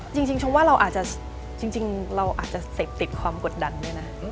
จริงชมว่าเราอาจจะเสกติดความกดดันด้วยนะ